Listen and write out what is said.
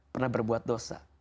pernah berbuat dosa